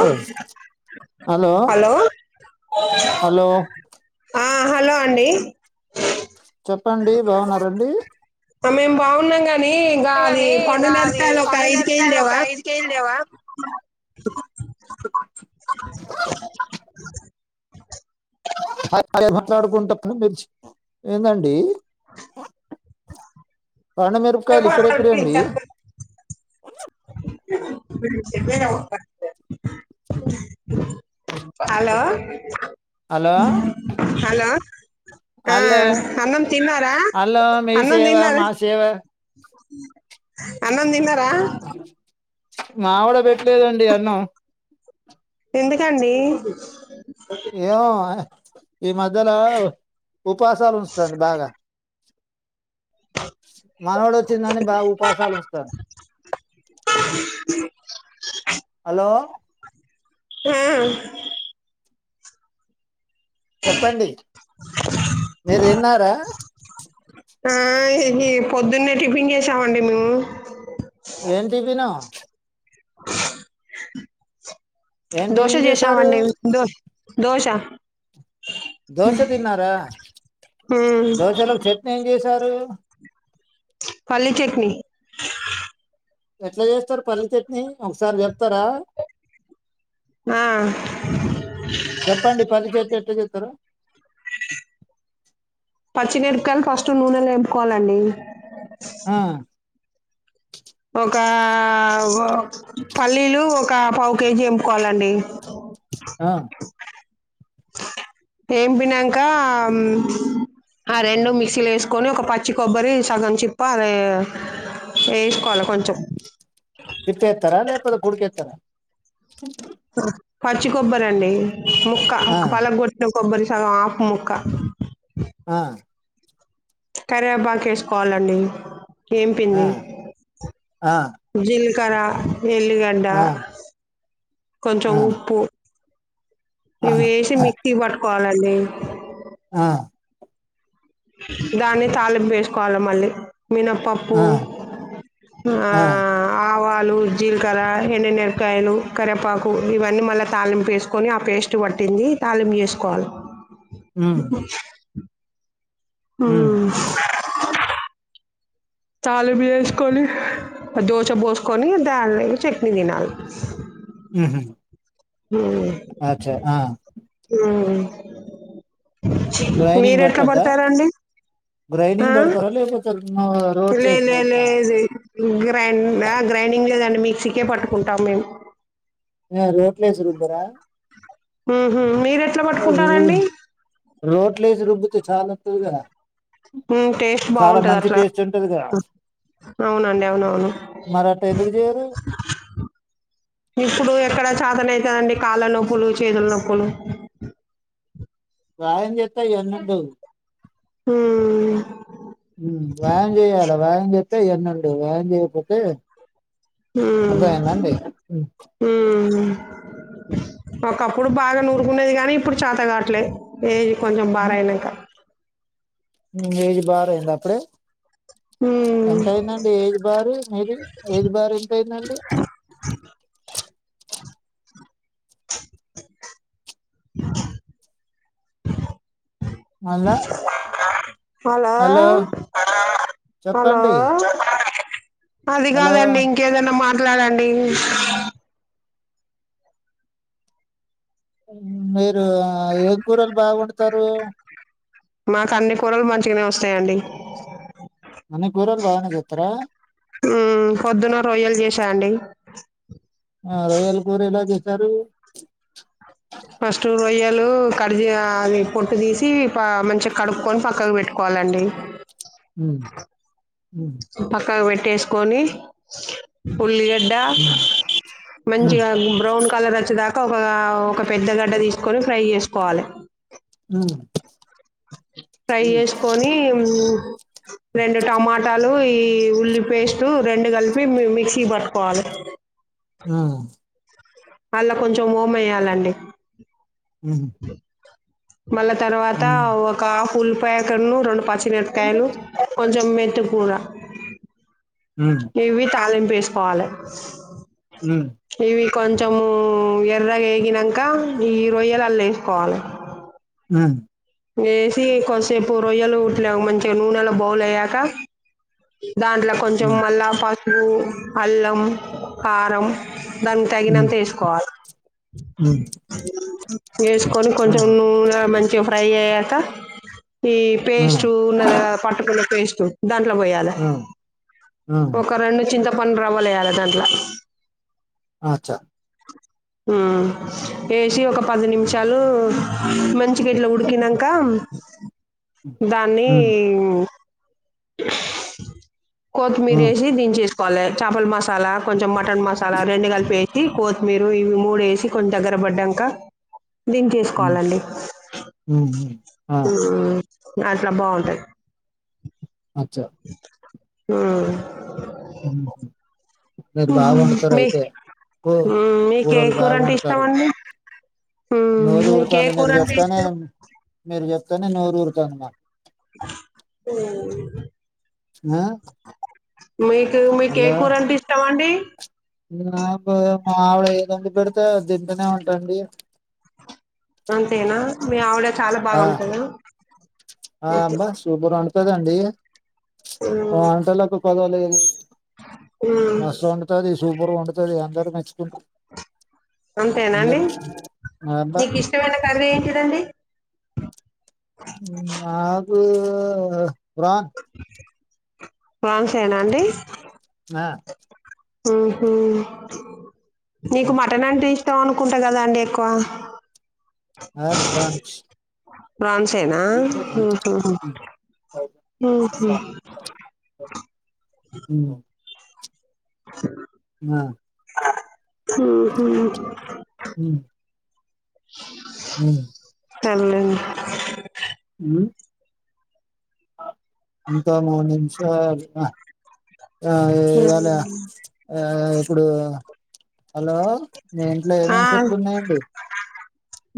Hello hello hello ఆ hello అండి చెప్పండి బాగున్నండి మేం బాగున్నాం కానీ ఇంకా అది పండుగ ఇంకా అది మరకాయలు ఒక కొండ ఐదు మిరపకాయలు ఒక కేజీలువా [inaudible] ఐదు కేజీలు లేవా య మాట్లాడుకుంటప్పుడు మీరు ఏందండి అ కొండ మరుపకాయలు ఇక్కడెక్కడ అండి ద ఒక హలో హలో హలో ఆ అల్లే అన్నం తిన్నారా హలో మీ అన్నం సేవ తిన్నార మా సేవ అన్నంతిన్నార మావిడ పెట్టలేదండి అన్నం ఎందుకండి ఏ ఈ మధ్యలో ఉపాసాలు ఉంచంది బాగా మనవడు వచ్చిందాన్ని బాగా ఉపాసాలు వస్తాయి హలో హా చెప్పండి మీరు తిన్నారా ఆ ఇది పొద్దున్నే టిఫిన్ చేసామండి మేము ఏంటివనా ఏం దోశ టిఫిన్ చేశారు చేసామండి దో దోశ దోశ తిన్నారా ఉమ్ దోశలకు చెట్ని ఏం చేసారు పలీ చట్నీ ఎట్లా చేస్తారు పని చెట్ని ఒకసారి చెప్తారా ఆ చెప్పండి పల్లి చట్నీ ఎట్ చెతార పచ్చిమిరపకాయలు ఫస్ట్ నూనెలో వేంపుకోవాలండి ఆ ఒక పల్లీలు ఒక పావు కేజీ ఎంపుకోవాలండి ఆ ఏం పినక ఆ రెండు మిక్సీలు వేసుకొని ఒక పచ్చి కొబ్బరి సగం చిప్ప అదే ఏకాల కొంచ తిప్పస్తారా లేపోద కుడుకస్తారా పచ్చి కొబ్బరండి ముక్క ఆ, పలగొట్ట కొబ్బరి సగం ఆఫ ముక్క ఆ కరేబాక వేసుకోవాలండి ఆ, ఏంపింది ఆ, జీ కుక్కర ఎల్లిగడ్డ ఆ, కొంచెం ఆ, ఉప్పు ఆ, ఇవి వేసి మిక్సీ కి పట్టుకోవాలండి ఆ, దాన్ని తాలిపు వేసుకోవాలి మళ్ళీ మినపప్పు ఆ, ఆ ఆవా లు జీలకర్ర ఎండెనరకాయలు కరి్రేపాకు ఇవన్నీ మళ్ళీ తాళింపు వేసుకొని ఆ పేస్ట్ పట్టి ంది తాలి యూస్ కాల్ హ తాల బి వేసుకొని దోచ పోసుకొని దాని చట్నీ తినాలి ఉహుం ఉమ్ ఊమ్ గ్రైండింగ్ మీరు ఎట్లా పట్టొద్దా పడతారండి ఆ గ్రైండింగ్ పడతారా లేకపోతే రోట్లు లే వేసి లే నేర్పుతారా లెజి గ్రైండ్ గ్రైండింగ్ లేదండి మిక్సీకే పట్టుకుంటాం మేము రోట్లేసిరుబ్బరా ఉహుమ్ మీరు ఎట్లా పట్టుకుంటారండి. రోట్లేసి రుబ్బుతే చాలా వత్తాది గా టేస్ట్ బాగుంటది అట్లా టేస్ట్ ఉంటది కదా అవునండి అవునవును మరి అట్ట ఎందుకు చేయరు ఇప్పుడు ఎక్కడ చతనైతదండి కాళ్ళ నొప్పులు చేతుల నొప్పులు వ్యాయామం చెత్తే ఇయన్నీ ఉండవు. హుమ్ వ్యాయామం చేయలే వ్యాయామం చెత్తే ఇయన్నీ ఉండవు వ్యాయామం చేయపోతే ఉమ్ అర్థమయ్యిదాండి ఉమ్ ఒకప్పుడు బాగా నూరుకునేది కాగానీ ఇప్పుడు చాత కాట్లే ఏజ్ కొంచెం బార్ ఉమ్, అయినంక ఏజ్ బార్ అయ్యిందా అప్పుడే ఉమ్ ఎంత అయిందండి ఏజ్ బార్ మీది ఏజ్ బార్ ఎదండి. మళ్ళా హలో హలో చెప్పండి అది హలో కాదండి ఇంకేదన్నా మాట్లాడండి. మీరు ఏం కూరలు బాగవండుతారు? మాకు అన్ని కూరలు మంచిగానే వస్తాయండి. అన్ని కూరలు బాగానే చేస్తారా పొద్దున్న రోయ్యలు చేసాండి. ఆ రొయ్యల కూర ఎలా చేశారు. ఫస్ట్ రోయ్యలు లు కడి చేయ అది పొట్టు తీసి ప మంచిగా కడుక్కోని పక్కకు పెట్టుకోవాలండి. హ్మ్ పక్కకు వేట్టేసుకొని ఉల్లిగడ్డ ఉమ్, ఉమ్, మంచిగా బ్రౌన్ కలర్ వచ్చేదాకా ఒక ఒక పెద్ద గడ్డ తీసుకొని ఫ్రై ఏస్ కాలే అ ఫ్రై ఏసుకొని ఉమ్ రెండు టమాటాలు ఈ ఉల్లి పేస్ట్ రెండు కలిపి మి మిక్సీ పట్టుకోవాలి. అ ఆ అళ్ళ కొంచెం ఓమ ఎయ్యాలండి. ఉమ్. మళ్ళా తర్వాత హ్మ్. ఒక ఆఫ్ ఉల్లిపాయ కన్ను రెండు పచ్చిమిరకాయలు కొంచెం మేం స్పెషల్ కూర హ్మ్. ఇవి తళింపు ఏసుకోవాలి. ఉమ్ కొంచెము ఎర్రగా ఎగినంక ఈ రొయ్యలు అల్లా ఎసుకోవాలి. హ్మ్ ఏసి కొంచెంసేపు రోయ్యలు ఉట్లే మంచిగా నూనెలో బౌల్ అయ్యాక దాంట్ల కొంచెం హ్మ్. మళ్ళా పసుపు అల్లం కారం దానికి హ్మ్. తగినంత ఎసుకోవాలి. హ్మ్. ఏసుకొని ఆ! కొంచెం నూనె మంచిగా ఫ్రై అయ్యాక ఈ ఆ! పేస్ట్ ఉన్నది గా పట్టుకున్న పేస్ట్ దాంట్లో పోయాలే ఆ! ఆ! ఒక రెండు చింతప్ కొన్ని రవ్వలు ఎయ్యాలి దాంట్ల అచ్చా వేసి ఒక పది నిమిషాలు మంచిగా త తినక దాన్ని హ్మ్. కొత్తిమీర ఆ! వేసి దేసుకోవాలి చేపల మసాలా కొంచెం మ మటన్ మసాలా రెండు కలిపి వేసి కొత్తిమీర ఇవి మూడు వేసి కొంచెం దగ్గర పడ్డాక దని హ్మ్. చేసుకోవాలండి హ్మ్. హ్మ్. ఆ మ్మ్ అట్లా బాగుంటాయి అచ్చా ఆ హ మీరు బాగు వండుతారు మీ అయితే మ్మ్ మీకే ఊరోళ్ళు కూర బాగా అంటే ఇష్టం వండుతారు అండి మ్మ్ నోరు మీకే ఊరుతాను కూర మీరు అంటే చెప్తానే ఇష్టం మీరు చెప్తానే నోరుఊడతాను మాకు అఓ ఆ? మీకు మీ కే కూర అంటే ఇస్తామ అండి మావిడ ఏదండి పెడితే తింటూనే ఉంటండి అంతేనా మీ ఆవిడ చాలా ఆ, బాగా ఉంటందా ఆ అబ్బా సూపర్ వంటంటదండి మ్మ్ వంటలకు కదవలేదు మ్మ్ బస్ వంతుది సూపర్గా వడుతుది అందరు మెచ్చుకుంటారు అంతేనా అండి అందరూ మా అబ్బా నీకు ఇష్టమైన కర్రీ ఏంటిడండి ఆపు కురాన్ ఫన్స్నా అండి ఆ హ నీకు మటన్ అంటీ ఇం అనుకుంటా కదా అండి ఎక్కువ అ ప్రాన్ బాన్స్నా అ [inaudible] ఆ హహ హ [inaudible] హ అ ఉమ్ ఇంకా మనష ఆ ఇళ ఆ ఇప్పుడు హలో మీ ఇంట్లో ఆ ఏమేన చెట్లు ఉన్నాయండి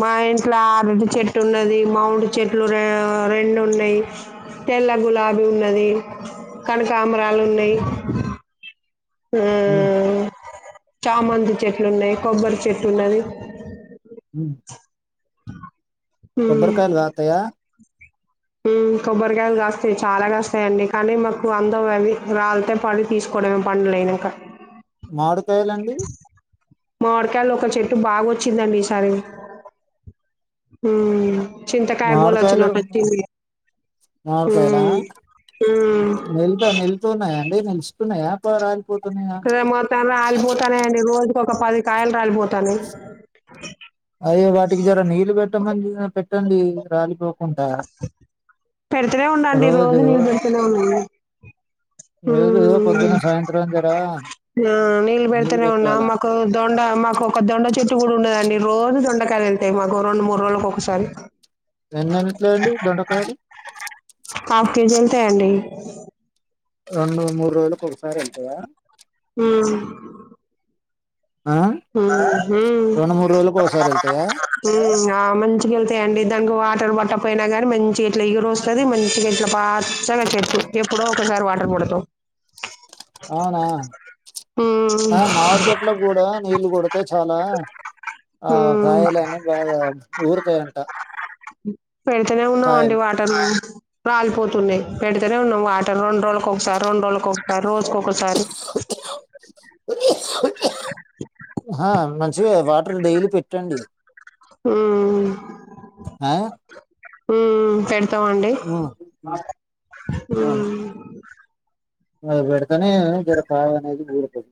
మా ఇంట్లో అరటి చెట్టు ఉన్నది మౌండ్ చెట్లు ర రెండు ఉన్నాయి తెల్ల గులాబీ ఉన్నది కనకామరాలు ఉన్నాయి ఉమ్, ఆ చామంతి చెట్లు ఉన్నాయి కొబ్బరి చెట్లు ఉన్నది గు ఉమ్ కొబ్బరుకాయలు రాతయా కొబ్బరికాయలు కాస్తాయి చాలా కాస్తాయిండి కానీ మాకు వందం అవి రాలితే పడి తీసుకు కొడమే పంలేనాక మాడుకాయలండి మా వడకాయలు ఒక చెట్టు బాగొచ్చిందండి ఈసారి చింత కయ మామిడికాయలు బచ్చట చ మామిడికాయలా హ నలికున్నా పోాల ే మొత్తాం రాలిపోతానేండి రోజుకి ఒక పది కాయలు రాలిపోతాను అయే వాటికి జర నీళ్ళు పెట్టమని పెట్టండి రాలిపోక కుంటా పెడుతూనే ఉండండి రోజు నీళ్ళు పెడుతూనే ఉండండి ఏజో ఉమ్ పొద్దున్న సాయంత్రం జార ఆ నీళ్ళ పెడుతనే ఉన్నా మాకు దొండ మాకు ఒక దొండ చు ఇూ కూడా ఉండదండి రోజు దొండకాలు వెళ్తాయి మాగో రెండు మూ రోుల ఒకసారి ఎన్నిట్డి దొండకాయారి తెేనడి రెండు మూడు రోజులలకు ఒకసారి వెళ్ంటయా ఆ ఆ? రెండు మూడు రోజులకు ఒకసారి వెళ్తాయా ఆ ఆ మంచికిళ్తాయంండి దంగా బట్టర్ బట్ట పోయినా ని మంచి ఇట్లా ఎగురు వస్తుంది మంచిగా ఇట్లా పచ్చగా చెట్టు ఇప్పుడ ఒకసారి వాటర్ పడతా అవునా ఆ మామిడి చెట్లో కూడా నీళ్ళు కొడితే చాలా ఆ ఉమ్ కాయాలని బాగా ఊరుతాయంట పెడితేనే ఉన్నాంండి కాయలు వాటలో రాలిపోతున్నాయి పెడితేనే ఉన్నాం వాటర్ రెండు రోజు ొసారి రెండు రోజుక ఒకసారి రోజుకకసారి ఆ మంచిగా వాటర్ డైలీ పెట్టండి ఉమ్ హ పెడతామండి అ పెడితేనే ఇక్కడ కావ అనేది ఊడిపోదు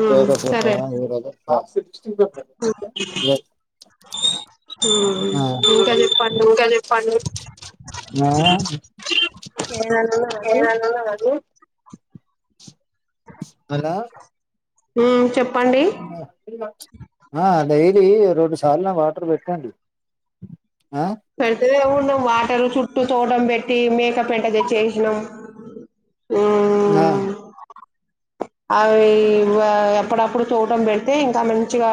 ఉమ్ సరే ఆ ఇంకా చెప్పండి ఇంకా చెప్పండి ఆ ఏన అది హలో చెప్ప ఆ డైలీ రెండు సార్లు వాటర్ పెట్టండి ఆ పెత ఎను ం వాటర్ చుట్టూ చూడం పెట్టి మేకప్ ఎంట తెచ్చసినాం ఆ అవి ఎప్పుడప్పుడు చూటం పెడితే ఇంకా మంచిగా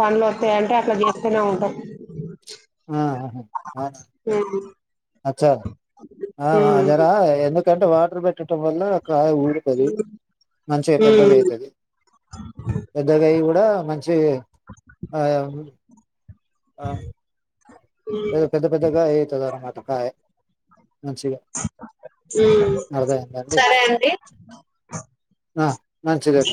పనులు వస్తాయింటే ఇట్లా చేస్తూనే ఉంటాం ఉమ్ అచ్చార ఉమ్ ఎందు ఎ అంటే వాటర్ పెట్టడం వల్ల ఊరుతుంది మంచిగా పెద్దగా ఉమ్ అవుతుంది పెద్దగాయ కూడా మంచి స ఆ ఏదో పెద్ద పెద్దగా అయితుంది అన్నమాట కాయ మంచిగా అర్థమైందండి సరే అండి ఆ మన్ చెర